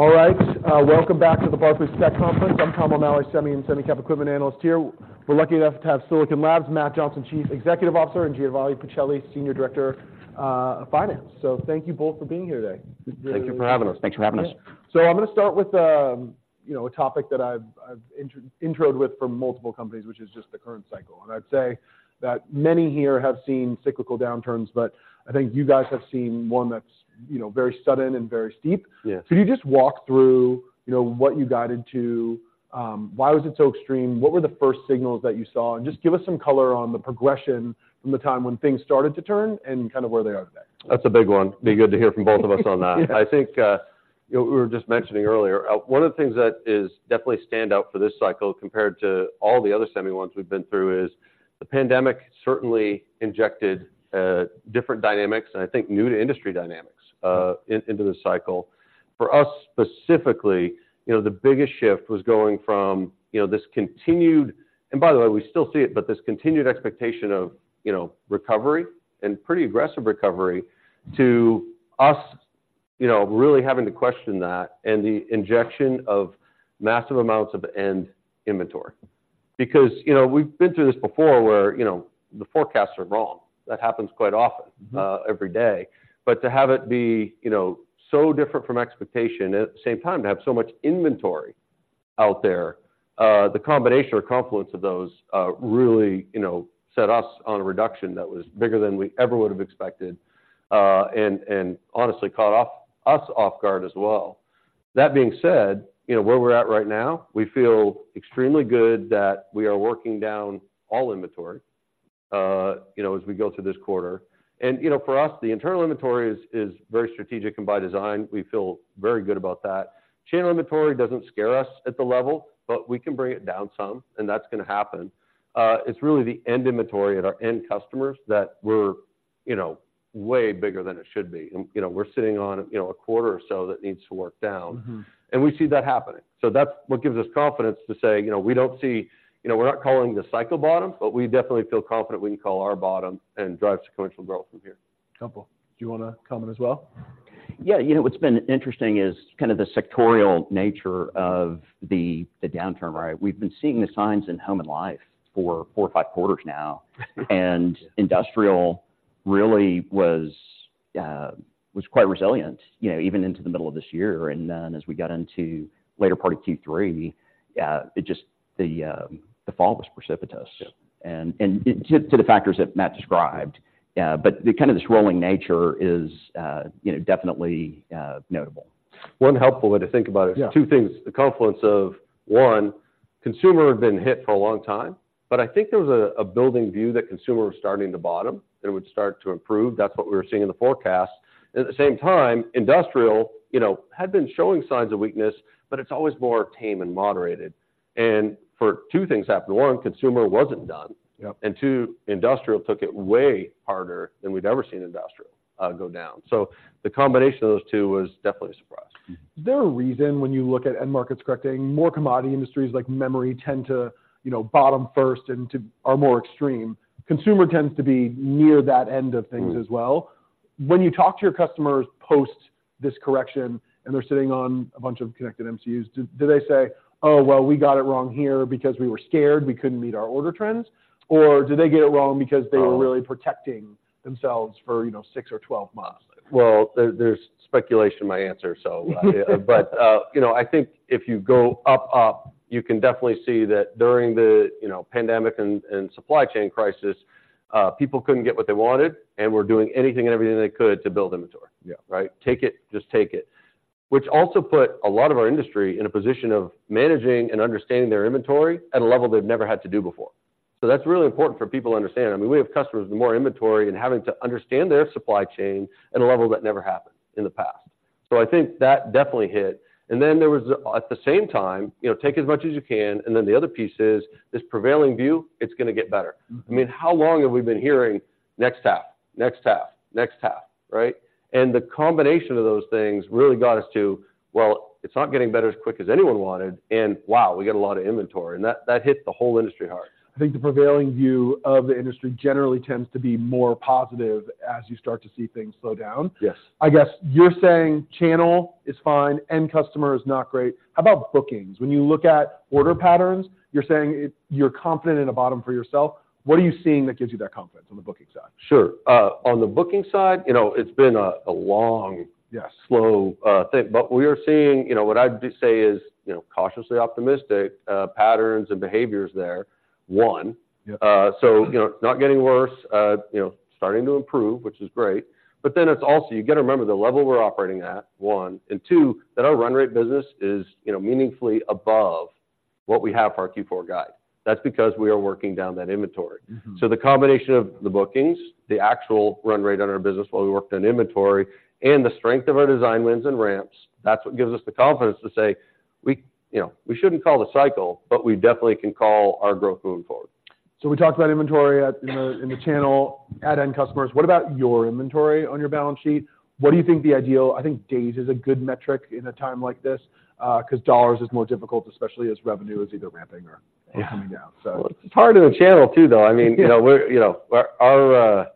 All right, welcome back to the Barclays Tech Conference. I'm Tom O'Malley, semi and semi cap equipment analyst here. We're lucky enough to have Silicon Labs, Matt Johnson, Chief Executive Officer, and Giovanni Pacelli, Senior Director of Finance. So thank you both for being here today. Thank you for having us. Thanks for having us. So I'm gonna start with, you know, a topic that I've introduced with from multiple companies, which is just the current cycle. And I'd say that many here have seen cyclical downturns, but I think you guys have seen one that's, you know, very sudden and very steep. Yes. Could you just walk through, you know, what you got into, why was it so extreme? What were the first signals that you saw? Just give us some color on the progression from the time when things started to turn and kind of where they are today. That's a big one. Be good to hear from both of us on that. Yeah. I think, you know, we were just mentioning earlier, one of the things that is definitely stand out for this cycle compared to all the other semi ones we've been through, is the pandemic certainly injected, different dynamics and I think new to industry dynamics, into the cycle. For us, specifically, you know, the biggest shift was going from, you know, this continued, and by the way, we still see it, but this continued expectation of, you know, recovery and pretty aggressive recovery to us, you know, really having to question that and the injection of massive amounts of end inventory. Because, you know, we've been through this before where, you know, the forecasts are wrong. That happens quite often... Mm-hmm Every day. But to have it be, you know, so different from expectation, at the same time, to have so much inventory out there, the combination or confluence of those, really, you know, set us on a reduction that was bigger than we ever would have expected, and, and honestly, caught us off guard as well. That being said, you know, where we're at right now, we feel extremely good that we are working down all inventory, you know, as we go through this quarter. And, you know, for us, the internal inventory is very strategic and by design, we feel very good about that. Channel inventory doesn't scare us at the level, but we can bring it down some, and that's gonna happen. It's really the end inventory at our end customers that we're, you know, way bigger than it should be. You know, we're sitting on, you know, a quarter or so that needs to work down. Mm-hmm. We see that happening. That's what gives us confidence to say, you know, we don't see... You know, we're not calling the cycle bottom, but we definitely feel confident we can call our bottom and drive sequential growth from here. Couple. Do you want to comment as well? Yeah. You know, what's been interesting is kind of the sectoral nature of the downturn, right? We've been seeing the signs in Home and Life for four or five quarters now. And industrial really was quite resilient, you know, even into the middle of this year. And then as we got into later part of third quarter, it just, the fall was precipitous. Yeah. And to the factors that Matt described, you know, definitely, notable. One helpful way to think about it... Yeah Is two things. The confluence of, one, consumer had been hit for a long time, but I think there was a building view that consumer was starting to bottom, it would start to improve. That's what we were seeing in the forecast. And at the same time, industrial, you know, had been showing signs of weakness, but it's always more tame and moderated. And two things happened: One, consumer wasn't done. Yep. And two, industrial took it way harder than we'd ever seen industrial go down. So the combination of those two was definitely a surprise. Is there a reason when you look at end markets correcting, more commodity industries like memory tend to, you know, bottom first and are more extreme? Consumer tends to be near that end of things as well. Mm. When you talk to your customers post this correction, and they're sitting on a bunch of connected MCUs, do they say, "Oh, well, we got it wrong here because we were scared we couldn't meet our order trends?" Or do they get it wrong because they were... Oh Really protecting themselves for, you know, six or 12 months? Well, there's speculation in my answer, so. But, you know, I think if you go up, you can definitely see that during the, you know, pandemic and supply chain crisis, people couldn't get what they wanted and were doing anything and everything they could to build inventory. Yeah. Right? Take it, just take it. Which also put a lot of our industry in a position of managing and understanding their inventory at a level they've never had to do before. So that's really important for people to understand. I mean, we have customers with more inventory and having to understand their supply chain at a level that never happened in the past. So I think that definitely hit. And then there was, at the same time, you know, take as much as you can, and then the other piece is, this prevailing view, it's gonna get better. Mm-hmm. I mean, how long have we been hearing: next half, next half, next half, right? And the combination of those things really got us to, well, it's not getting better as quick as anyone wanted, and wow, we got a lot of inventory, and that, that hit the whole industry hard. I think the prevailing view of the industry generally tends to be more positive as you start to see things slow down. Yes. I guess you're saying channel is fine, end customer is not great. How about bookings? When you look at order patterns, you're saying you're confident in a bottom for yourself. What are you seeing that gives you that confidence on the booking side? Sure. On the booking side, you know, it's been a long... Yes Slow, thing. But we are seeing, you know, what I'd say is, you know, cautiously optimistic, patterns and behaviors there, one. Yeah. So, you know, not getting worse, you know, starting to improve, which is great. But then it's also, you got to remember the level we're operating at, one, and two, that our run rate business is, you know, meaningfully above what we have for our fourth quarter guide. That's because we are working down that inventory. Mm-hmm. So the combination of the bookings, the actual run rate on our business while we worked on inventory, and the strength of our design wins and ramps, that's what gives us the confidence to say we—you know, we shouldn't call the cycle, but we definitely can call our growth moving forward. So we talked about inventory at, in the channel, at end customers. What about your inventory on your balance sheet? What do you think the ideal... I think days is a good metric in a time like this, 'cause dollars is more difficult, especially as revenue is either ramping or... Yeah Or coming down. So. Well, it's hard in the channel too, though. I mean... Yeah You know, we're, you know, our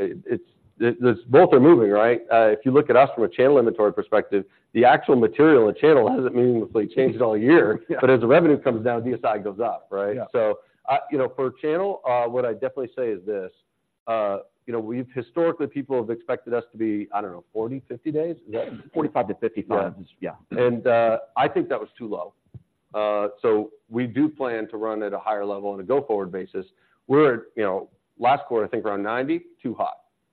it's this both are moving, right? If you look at us from a channel inventory perspective, the actual material in channel hasn't meaningfully changed all year. Yeah. But as the revenue comes down, DSI goes up, right? Yeah. So, you know, for channel, what I'd definitely say is this: you know, we've historically, people have expected us to be, I don't know, 40, 50 days. Is that... 45 to 55. Yeah. Yeah. And, I think that was too low. So we do plan to run at a higher level on a go-forward basis. We're at, you know, last quarter, I think, around 90, too high.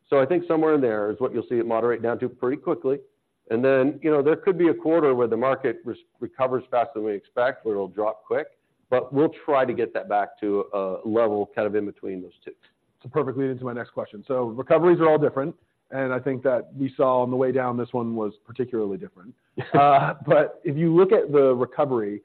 So I think somewhere in there is what you'll see it moderate down to pretty quickly, and then, you know, there could be a quarter where the market recovers faster than we expect, where it'll drop quick, but we'll try to get that back to a level kind of in between those two. So perfectly into my next question. So recoveries are all different, and I think that we saw on the way down, this one was particularly different. But if you look at the recovery,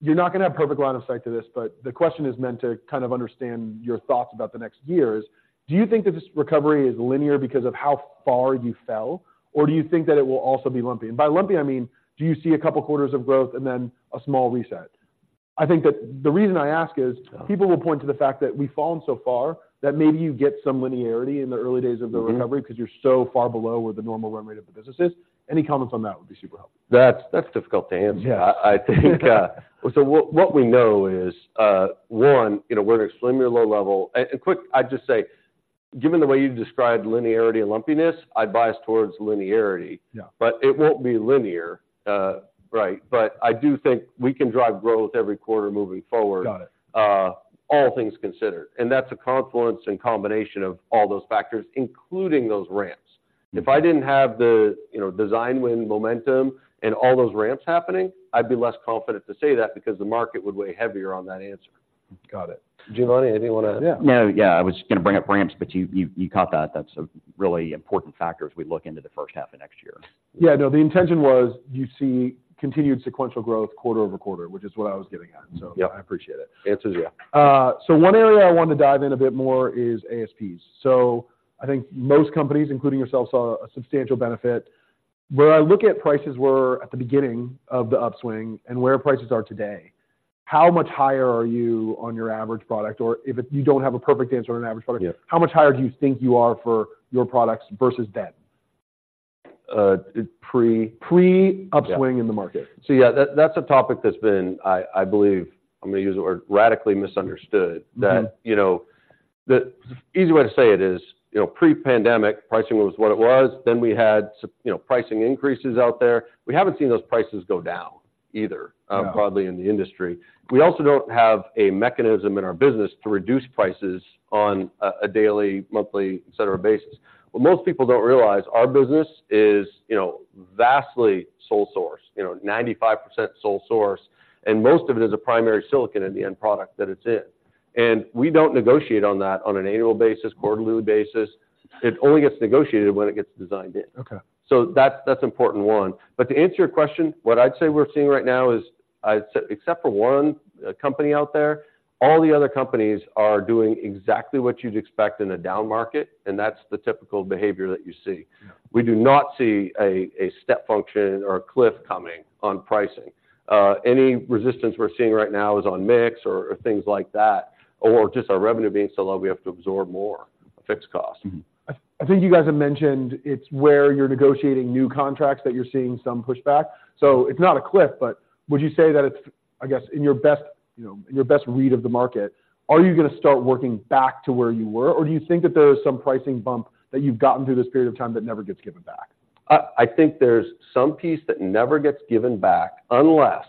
you're not gonna have perfect line of sight to this, but the question is meant to kind of understand your thoughts about the next year is: do you think that this recovery is linear because of how far you fell, or do you think that it will also be lumpy? And by lumpy, I mean, do you see a couple quarters of growth and then a small reset? I think that the reason I ask is... Yeah People will point to the fact that we've fallen so far that maybe you get some linearity in the early days of the recovery. Mm-hmm Because you're so far below where the normal run rate of the business is. Any comments on that would be super helpful. That's difficult to answer. Yes. I think, so what we know is, one, you know, we're at an extremely low level. And quick, I'd just say, given the way you described linearity and lumpiness, I'd bias towards linearity. Yeah. But it won't be linear, right? But I do think we can drive growth every quarter moving forward... Got it All things considered. And that's a confluence and combination of all those factors, including those ramps. Mm-hmm. If I didn't have the, you know, Design Win momentum and all those ramps happening, I'd be less confident to say that because the market would weigh heavier on that answer. Got it. Giovanni, anything you wanna add? No. Yeah, I was gonna bring up ramps, but you caught that. That's a really important factor as we look into the first half of next year. Yeah, no, the intention was, do you see continued sequential growth quarter-over-quarter, which is what I was getting at. Mm-hmm. So... Yeah I appreciate it. Answer is yeah. One area I wanted to dive in a bit more is ASPs. I think most companies, including yourselves, saw a substantial benefit. Where I look at prices were at the beginning of the upswing and where prices are today, how much higher are you on your average product? Or if you don't have a perfect answer on an average product... Yeah How much higher do you think you are for your products versus then? Uh, pre? Pre... Yeah Upswing in the market. So yeah, that's a topic that's been, I believe, I'm gonna use the word, radically misunderstood. Mm-hmm. That, you know, the easy way to say it is, you know, pre-pandemic, pricing was what it was, then we had some, you know, pricing increases out there. We haven't seen those prices go down either... Yeah Broadly in the industry. We also don't have a mechanism in our business to reduce prices on a daily, monthly, et cetera, basis. What most people don't realize, our business is, you know, vastly sole source, you know, 95% sole source, and most of it is a primary silicon in the end product that it's in. And we don't negotiate on that on an annual basis, quarterly basis. It only gets negotiated when it gets designed in. Okay. So that's, that's important one. But to answer your question, what I'd say we're seeing right now is, I'd say, except for one company out there, all the other companies are doing exactly what you'd expect in a down market, and that's the typical behavior that you see. Yeah. We do not see a step function or a cliff coming on pricing. Any resistance we're seeing right now is on mix or things like that, or just our revenue being so low, we have to absorb more fixed costs. Mm-hmm. I think you guys have mentioned it's where you're negotiating new contracts that you're seeing some pushback. So it's not a cliff, but would you say that it's... I guess, in your best, you know, in your best read of the market, are you gonna start working back to where you were, or do you think that there is some pricing bump that you've gotten through this period of time that never gets given back? I think there's some piece that never gets given back unless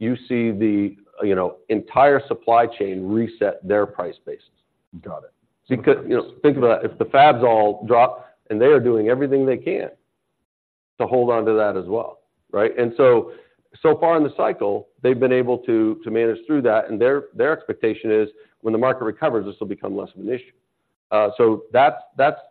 you see the, you know, entire supply chain reset their price basis. Got it. Because, you know, think about it, if the fabs all drop, and they are doing everything they can to hold on to that as well, right? So far in the cycle, they've been able to manage through that, and their expectation is when the market recovers, this will become less of an issue. So that's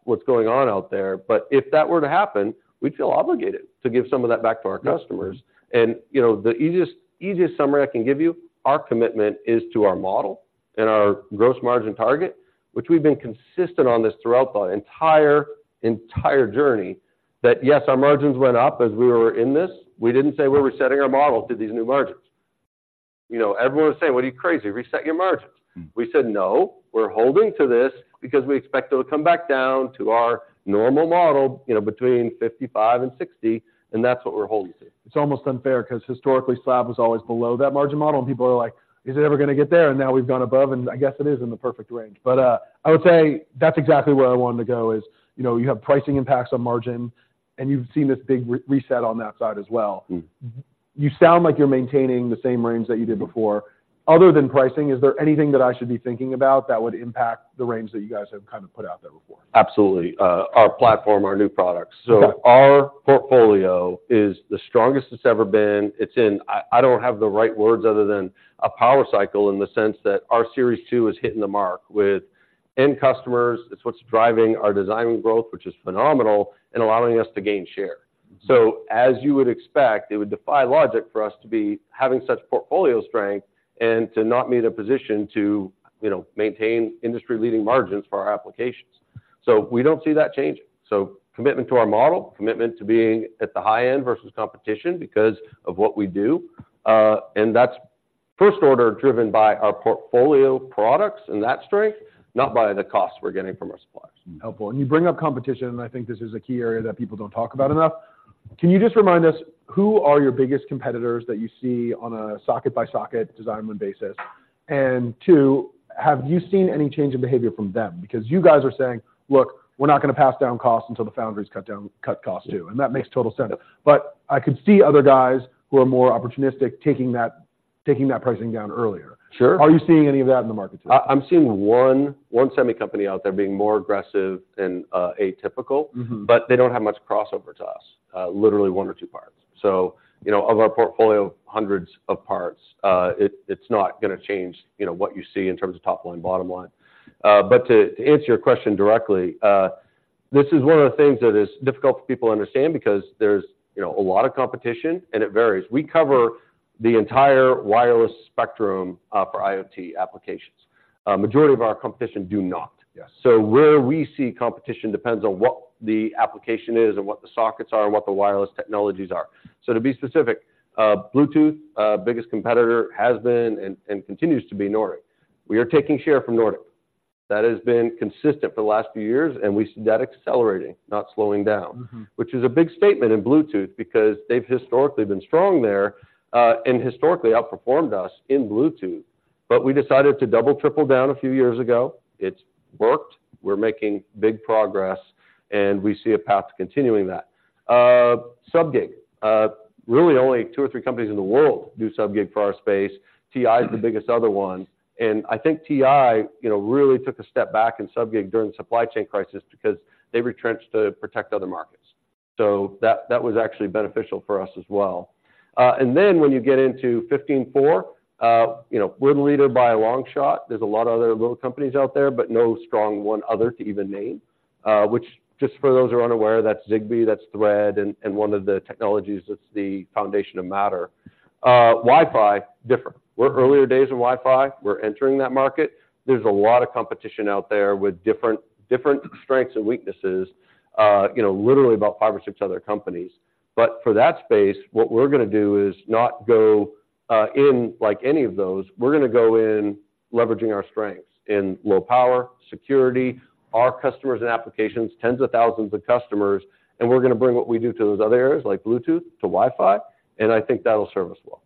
what's going on out there. But if that were to happen, we'd feel obligated to give some of that back to our customers. Yeah. You know, the easiest, easiest summary I can give you, our commitment is to our model and our gross margin target, which we've been consistent on this throughout the entire, entire journey, that, yes, our margins went up as we were in this. We didn't say we're resetting our model to these new margins. You know, everyone was saying: "What are you, crazy? Reset your margins. Mm. We said, "No, we're holding to this because we expect it to come back down to our normal model, you know, between 55 and 60, and that's what we're holding to. It's almost unfair, because historically, SLAB was always below that margin model, and people are like: "Is it ever gonna get there?" And now we've gone above, and I guess it is in the perfect range. But, I would say that's exactly where I wanted to go is, you know, you have pricing impacts on margin, and you've seen this big reset on that side as well. Mm. You sound like you're maintaining the same range that you did before. Mm-hmm. Other than pricing, is there anything that I should be thinking about that would impact the range that you guys have kind of put out there before? Absolutely. Our platform, our new products. Okay. So our portfolio is the strongest it's ever been. It's in... I, I don't have the right words other than a power cycle, in the sense that our Series 2 is hitting the mark with end customers. It's what's driving our design win growth, which is phenomenal, and allowing us to gain share. Mm-hmm. So as you would expect, it would defy logic for us to be having such portfolio strength and to not be in a position to, you know, maintain industry-leading margins for our applications. So we don't see that changing. So commitment to our model, commitment to being at the high end versus competition because of what we do, and that's first order driven by our portfolio products and that strength, not by the costs we're getting from our suppliers. Helpful. And you bring up competition, and I think this is a key area that people don't talk about enough. Can you just remind us, who are your biggest competitors that you see on a socket-by-socket Design Win basis? And two, have you seen any change in behavior from them? Because you guys are saying, "Look, we're not gonna pass down costs until the foundries cut down- cut costs, too," and that makes total sense. But I could see other guys who are more opportunistic taking that, taking that pricing down earlier. Sure. Are you seeing any of that in the market today? I'm seeing one semi company out there being more aggressive and atypical. Mm-hmm. But they don't have much crossover to us, literally one or two parts. So, you know, of our portfolio of hundreds of parts, it's not gonna change, you know, what you see in terms of top line, bottom line. But to answer your question directly, this is one of the things that is difficult for people to understand because there's, you know, a lot of competition, and it varies. We cover the entire wireless spectrum for IoT applications. Majority of our competition do not. Yes. So where we see competition depends on what the application is and what the sockets are and what the wireless technologies are. So to be specific, Bluetooth, biggest competitor has been and continues to be Nordic. We are taking share from Nordic. That has been consistent for the last few years, and we see that accelerating, not slowing down. Mm-hmm. Which is a big statement in Bluetooth because they've historically been strong there, and historically outperformed us in Bluetooth. But we decided to double, triple down a few years ago. It's worked. We're making big progress, and we see a path to continuing that. Sub-GHz, really only two or three companies in the world do sub-GHz for our space. Mm. TI is the biggest other one, and I think TI, you know, really took a step back in sub-GHz during the supply chain crisis because they retrenched to protect other markets. So that, that was actually beneficial for us as well. And then when you get into 15.4, you know, we're the leader by a long shot. There's a lot of other little companies out there, but no strong one other to even name. Which just for those who are unaware, that's Zigbee, that's Thread, and one of the technologies that's the foundation of Matter. Wi-Fi, different. We're earlier days of Wi-Fi. We're entering that market. There's a lot of competition out there with different, different strengths and weaknesses, you know, literally about 5 or 6 other companies. But for that space, what we're gonna do is not go in like any of those. We're gonna go in leveraging our strengths in low power, security, our customers and applications, tens of thousands of customers, and we're gonna bring what we do to those other areas, like Bluetooth to Wi-Fi, and I think that'll serve us well.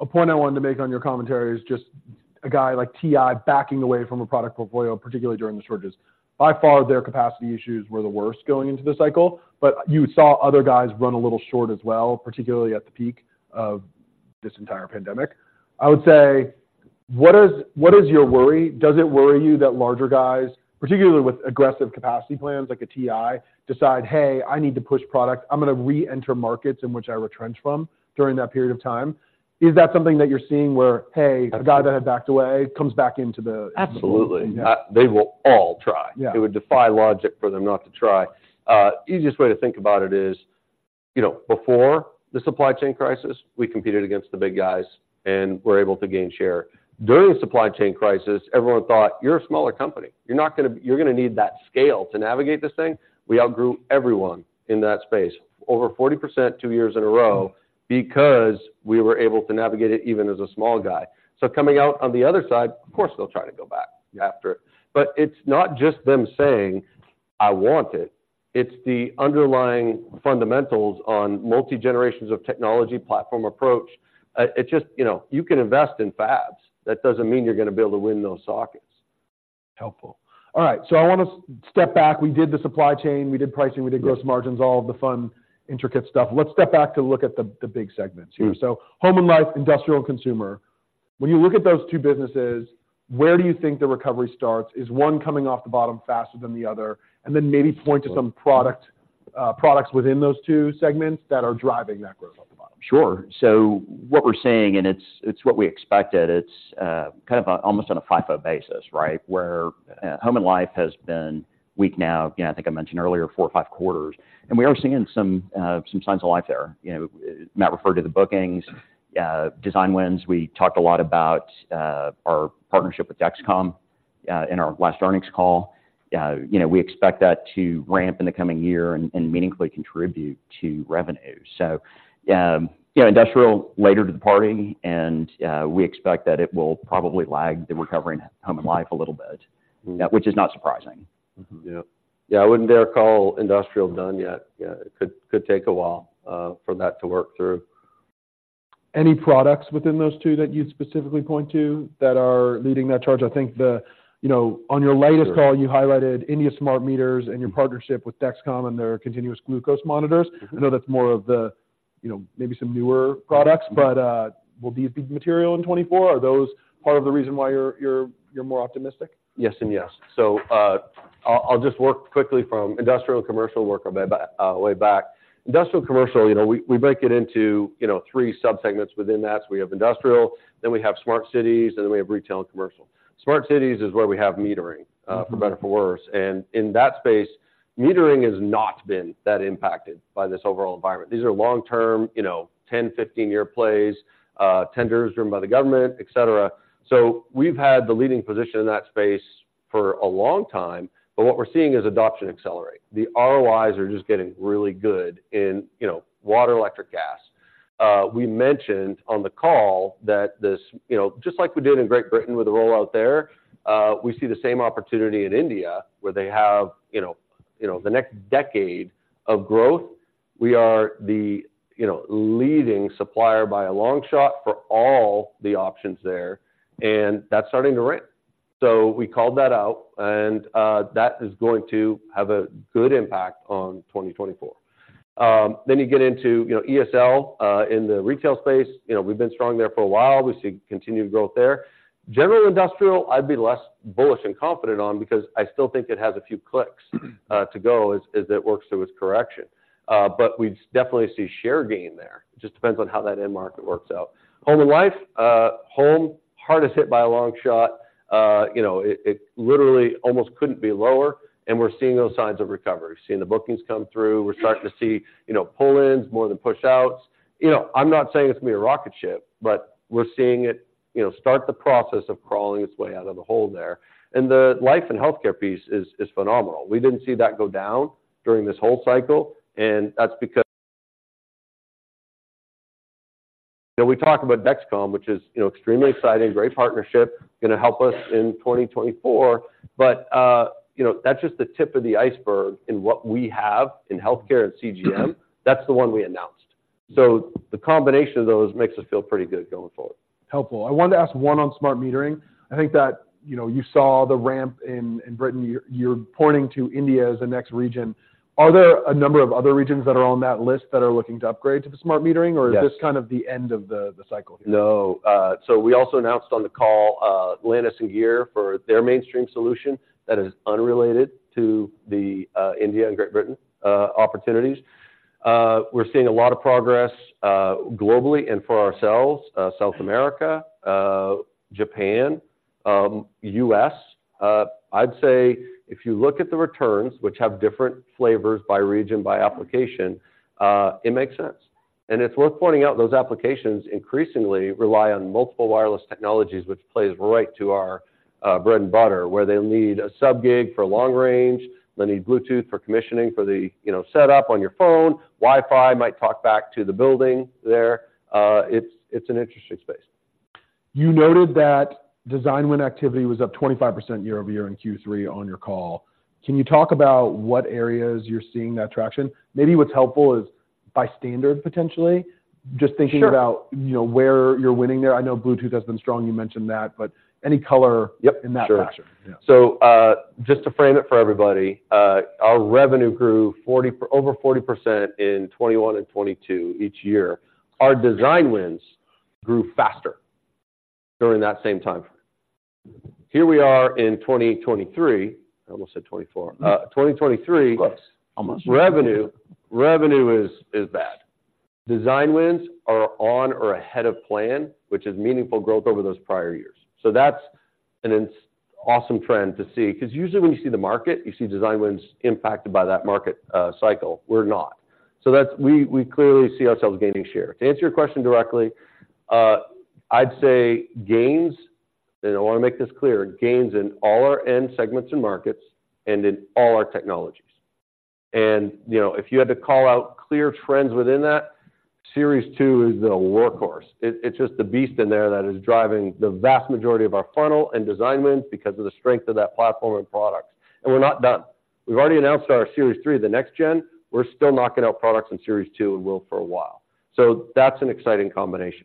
A point I wanted to make on your commentary is just a guy like TI backing away from a product portfolio, particularly during the shortages. By far, their capacity issues were the worst going into the cycle, but you saw other guys run a little short as well, particularly at the peak of this entire pandemic. I would say, what is, what is your worry? Does it worry you that larger guys, particularly with aggressive capacity plans like a TI, decide, "Hey, I need to push product. I'm gonna reenter markets in which I retrenched from during that period of time"? Is that something that you're seeing where, hey... Absolutely. A guy that had backed away, comes back into the... Absolutely. Yeah. They will all try. Yeah. It would defy logic for them not to try. Easiest way to think about it is, you know, before the supply chain crisis, we competed against the big guys and were able to gain share. During the supply chain crisis, everyone thought, "You're a smaller company. You're gonna need that scale to navigate this thing." We outgrew everyone in that space, over 40%, two years in a row, because we were able to navigate it even as a small guy. So coming out on the other side, of course, they'll try to go back... Yeah After it. But it's not just them saying, "I want it." It's the underlying fundamentals on multi-generations of technology platform approach. You know, you can invest in fabs. That doesn't mean you're gonna be able to win those sockets. Helpful. All right, so I wanna step back. We did the supply chain, we did pricing. Yes We did gross margins, all of the fun, intricate stuff. Let's step back to look at the big segments here. Sure. So Home and Life, Industrial and Commercial, when you look at those two businesses, where do you think the recovery starts? Is one coming off the bottom faster than the other? And then maybe point to some product, products within those two segments that are driving that growth off the bottom. Sure. So what we're seeing, and it's what we expected, it's kind of almost on a FIFO basis, right? Where, Home and Life has been weak now, you know, I think I mentioned earlier, four or five quarters. And we are seeing some signs of life there. You know, Matt referred to the bookings, design wins. We talked a lot about our partnership with Dexcom in our last earnings call. You know, we expect that to ramp in the coming year and meaningfully contribute to revenue. So, you know, Industrial, later to the party, and we expect that it will probably lag the recovery in Home and Life a little bit... Mm. Which is not surprising. Mm-hmm. Yeah. Yeah, I wouldn't dare call Industrial done yet. Yeah, it could take a while for that to work through. Any products within those two that you'd specifically point to that are leading that charge? I think the... You know, on your latest call... Sure You highlighted India smart meters and your partnership with Dexcom and their continuous glucose monitors. Mm-hmm. I know that's more of the, you know, maybe some newer products, but will these be material in 2024? Are those part of the reason why you're more optimistic? Yes and yes. So, I'll just work quickly from Industrial and Commercial, work our way back, way back. Industrial and Commercial, you know, we break it into, you know, three subsegments within that. So we have Industrial, then we have Smart Cities, and then we have Retail and Commercial. Smart Cities is where we have metering... Mm-hmm For better or for worse, and in that space, metering has not been that impacted by this overall environment. These are long-term, you know, 10, 15-year plays, tenders run by the government, et cetera. So we've had the leading position in that space for a long time, but what we're seeing is adoption accelerate. The ROIs are just getting really good in, you know, water, electric, gas. We mentioned on the call that this, you know, just like we did in Great Britain with the rollout there, we see the same opportunity in India, where they have, you know, you know, the next decade of growth. We are the, you know, leading supplier by a long shot for all the options there, and that's starting to ramp. So we called that out, and that is going to have a good impact on 2024. Then you get into, you know, ESL, in the retail space. You know, we've been strong there for a while. We see continued growth there. General industrial, I'd be less bullish and confident on because I still think it has a few clicks to go as it works through its correction. But we definitely see share gain there. It just depends on how that end market works out. Home and Life, home, hardest hit by a long shot. You know, it, it literally almost couldn't be lower, and we're seeing those signs of recovery. We're seeing the bookings come through. We're starting to see, you know, pull-ins more than pushouts. You know, I'm not saying it's gonna be a rocket ship, but we're seeing it, you know, start the process of crawling its way out of the hole there. The life and healthcare piece is phenomenal. We didn't see that go down during this whole cycle, and that's because... So we talk about Dexcom, which is, you know, extremely exciting, great partnership, gonna help us in 2024. But, you know, that's just the tip of the iceberg in what we have in healthcare and CGM. That's the one we announced. So the combination of those makes us feel pretty good going forward. Helpful. I wanted to ask one on smart metering. I think that, you know, you saw the ramp in Britain. You're pointing to India as the next region. Are there a number of other regions that are on that list that are looking to upgrade to the smart metering... Yes. or is this kind of the end of the cycle here? No. So we also announced on the call, Landis+Gyr for their mainstream solution. That is unrelated to the India and Great Britain opportunities. We're seeing a lot of progress globally and for ourselves, South America, Japan, US. I'd say if you look at the returns, which have different flavors by region, by application, it makes sense. And it's worth pointing out, those applications increasingly rely on multiple wireless technologies, which plays right to our bread and butter, where they'll need a Sub-GHz for long range. They'll need Bluetooth for commissioning, for the, you know, setup on your phone. Wi-Fi might talk back to the building there. It's an interesting space. You noted that design win activity was up 25% year-over-year in third quarter on your call. Can you talk about what areas you're seeing that traction? Maybe what's helpful is by standard, potentially. Sure. Just thinking about, you know, where you're winning there. I know Bluetooth has been strong. You mentioned that, but any color... Yep. In that traction? Sure. Yeah. So, just to frame it for everybody, our revenue grew over 40% in 2021 and 2022 each year. Our design wins grew faster during that same time frame. Here we are in 2023. I almost said 2024. 2023... Close. Almost Revenue, revenue is, is bad. Design wins are on or ahead of plan, which is meaningful growth over those prior years. So that's an awesome trend to see, 'cause usually when you see the market, you see design wins impacted by that market cycle. We're not. So that's we clearly see ourselves gaining share. To answer your question directly, I'd say gains, and I wanna make this clear, gains in all our end segments and markets and in all our technologies. And, you know, if you had to call out clear trends within that, Series 2 is the workhorse. It, it's just the beast in there that is driving the vast majority of our funnel and design wins because of the strength of that platform and products, and we're not done. We've already announced our Series 3, the next gen. We're still knocking out products in Series 2 and will for a while. So that's an exciting combination.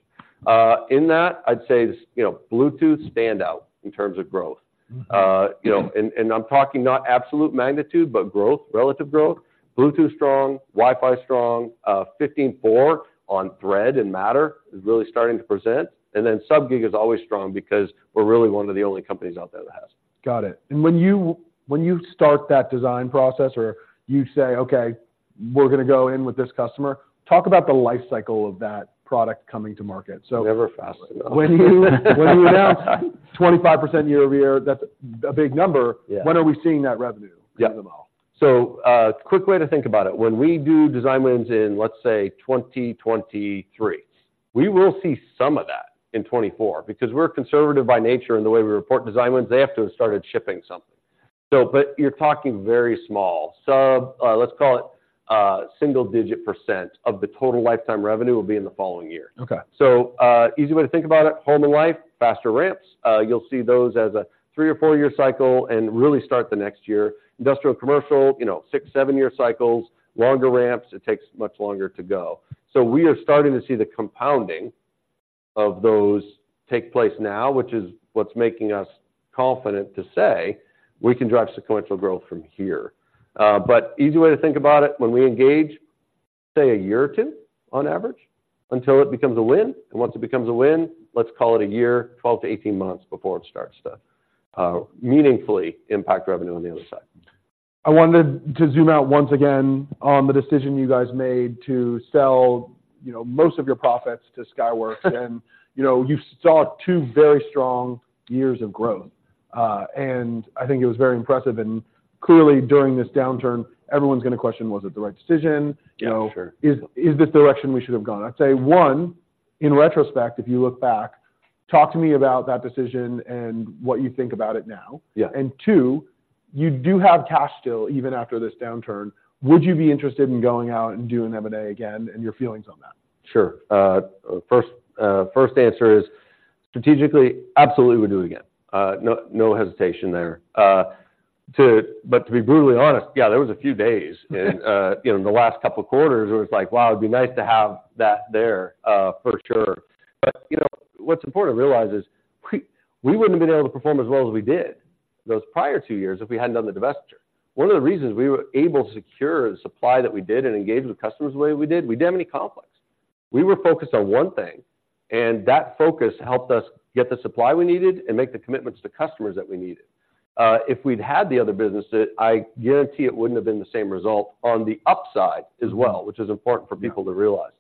In that, I'd say, you know, Bluetooth stands out in terms of growth. You know, I'm talking not absolute magnitude, but growth, relative growth. Bluetooth, strong. Wi-Fi, strong. 15.4 on Thread and Matter is really starting to present. And then Sub-GHz is always strong because we're really one of the only companies out there that has it. Got it. And when you, when you start that design process or you say, "Okay, we're gonna go in with this customer," talk about the life cycle of that product coming to market. So- Never fast enough. When you, when you announce 25% year-over-year, that's a big number. Yeah. When are we seeing that revenue... Yeah Come about? So, quick way to think about it: when we do design wins in, let's say, 2023, we will see some of that in 2024 because we're conservative by nature in the way we report design wins. They have to have started shipping something. So, but you're talking very small. Sub, let's call it, single-digit % of the total lifetime revenue will be in the following year. Okay. So, easy way to think about it, Home and Life, faster ramps. You'll see those as a 3- or 4-year cycle and really start the next year. Industrial, commercial, you know, 6- or 7-year cycles, longer ramps, it takes much longer to go. So we are starting to see the compounding of those take place now, which is what's making us confident to say we can drive sequential growth from here. But easy way to think about it, when we engage, say, a year or 2 on average, until it becomes a win, and once it becomes a win, let's call it a year, 12-18 months before it starts to meaningfully impact revenue on the other side. I wanted to zoom out once again on the decision you guys made to sell, you know, most of your profits to Skyworks. And, you know, you saw two very strong years of growth, and I think it was very impressive. And clearly, during this downturn, everyone's gonna question, was it the right decision? Yeah, sure. You know, is this the direction we should have gone? I'd say, in retrospect, if you look back, talk to me about that decision and what you think about it now. Yeah. And two, you do have cash still, even after this downturn, would you be interested in going out and doing M&A again, and your feelings on that? Sure. First, first answer is, strategically, absolutely would do it again. No, no hesitation there. But to be brutally honest, yeah, there was a few days in, you know, the last couple of quarters, it was like, wow, it'd be nice to have that there, for sure. But, you know, what's important to realize is we, we wouldn't have been able to perform as well as we did those prior two years if we hadn't done the divestiture. One of the reasons we were able to secure the supply that we did and engage with customers the way we did, we didn't have any conflicts. We were focused on one thing, and that focus helped us get the supply we needed and make the commitments to customers that we needed. If we'd had the other businesses, I guarantee it wouldn't have been the same result on the upside as well, which is important for people to realize.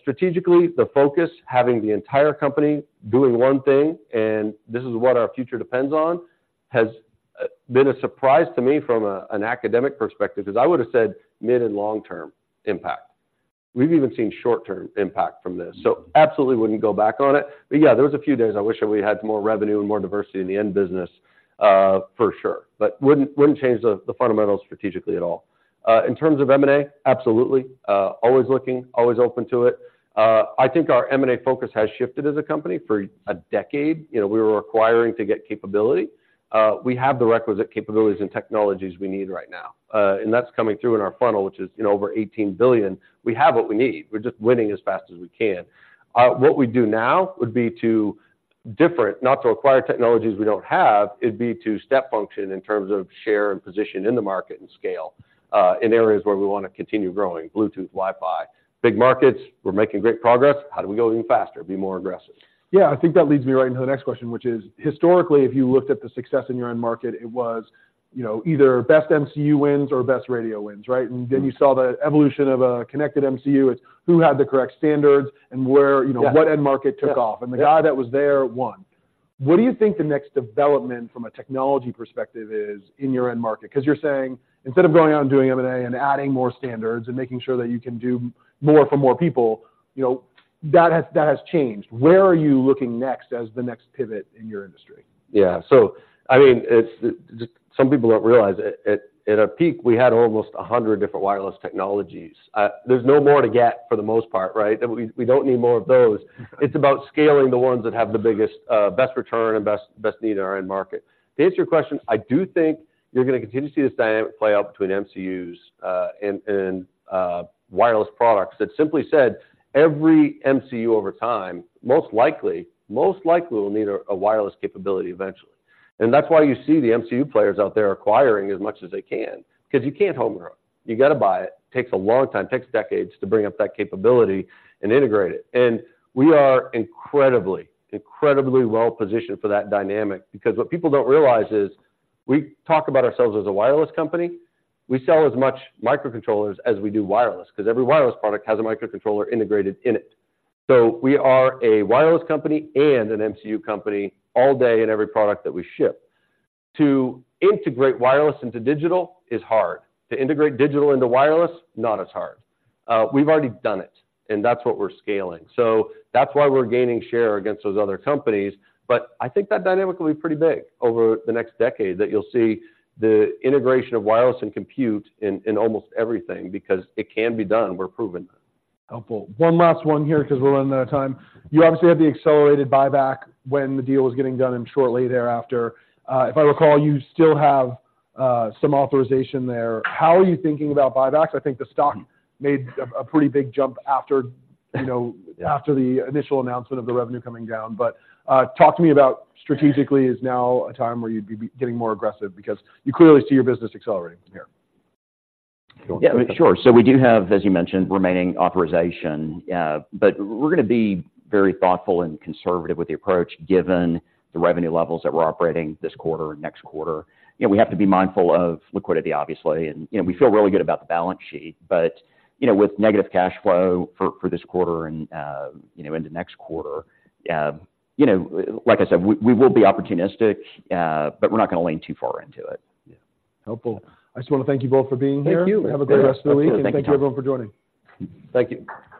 Strategically, the focus, having the entire company doing one thing, and this is what our future depends on, has been a surprise to me from an academic perspective, because I would have said mid and long-term impact. We've even seen short-term impact from this, so absolutely wouldn't go back on it. But yeah, there was a few days I wish that we had more revenue and more diversity in the end business, for sure, but wouldn't change the fundamentals strategically at all. In terms of M&A, absolutely, always looking, always open to it. I think our M&A focus has shifted as a company for a decade. You know, we were acquiring to get capability. We have the requisite capabilities and technologies we need right now, and that's coming through in our funnel, which is, you know, over $18 billion. We have what we need. We're just winning as fast as we can. What we do now would be to different, not to acquire technologies we don't have, it'd be to step function in terms of share and position in the market and scale, in areas where we wanna continue growing, Bluetooth, Wi-Fi. Big markets, we're making great progress. How do we go even faster, be more aggressive? Yeah, I think that leads me right into the next question, which is, historically, if you looked at the success in your end market, it was, you know, either best MCU wins or best radio wins, right? Mm-hmm. And then you saw the evolution of a connected MCU. It's who had the correct standards and where, you know... Yeah What end market took off. Yeah, yeah. The guy that was there, won. What do you think the next development from a technology perspective is in your end market? Because you're saying instead of going out and doing M&A and adding more standards and making sure that you can do more for more people, you know, that has changed. Where are you looking next as the next pivot in your industry? Yeah. So I mean, it's just some people don't realize it, at our peak, we had almost 100 different wireless technologies. There's no more to get for the most part, right? We, we don't need more of those. Mm-hmm. It's about scaling the ones that have the biggest, best return and best need in our end market. To answer your question, I do think you're gonna continue to see this dynamic play out between MCUs and wireless products. That simply said, every MCU over time, most likely, will need a wireless capability eventually. And that's why you see the MCU players out there acquiring as much as they can, because you can't home grow. You got to buy it. Takes a long time, takes decades to bring up that capability and integrate it. And we are incredibly well positioned for that dynamic, because what people don't realize is, we talk about ourselves as a wireless company. We sell as much microcontrollers as we do wireless, because every wireless product has a microcontroller integrated in it. So we are a wireless company and an MCU company all day in every product that we ship. To integrate wireless into digital is hard. To integrate digital into wireless, not as hard. We've already done it, and that's what we're scaling. So that's why we're gaining share against those other companies. But I think that dynamic will be pretty big over the next decade, that you'll see the integration of wireless and compute in, in almost everything, because it can be done. We're proving that. Helpful. One last one here, because we're running out of time. You obviously had the accelerated buyback when the deal was getting done and shortly thereafter. If I recall, you still have some authorization there. How are you thinking about buybacks? I think the stock made a pretty big jump after, you know... Yeah After the initial announcement of the revenue coming down. But, talk to me about strategically, is now a time where you'd be getting more aggressive? Because you clearly see your business accelerating from here. Yeah, sure. So we do have, as you mentioned, remaining authorization, but we're gonna be very thoughtful and conservative with the approach, given the revenue levels that we're operating this quarter and next quarter. You know, we have to be mindful of liquidity, obviously, and, you know, we feel really good about the balance sheet, but, you know, with negative cash flow for this quarter and, you know, into next quarter, like I said, we will be opportunistic, but we're not gonna lean too far into it. Yeah. Helpful. I just wanna thank you both for being here. Thank you. Have a great rest of the week. Thank you. Thank you everyone for joining. Thank you.